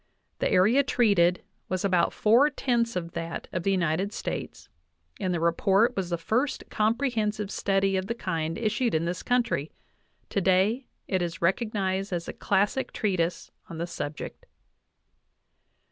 The area treated was about four tenths of that of the United States, and the report was the first comprehensive study of the kind issued in this country; today it is recognized as a classic treatise on the subject.